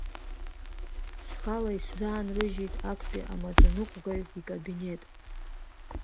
Схала исзаанрыжьит актәи амаӡаныҟәгаҩ икабинет.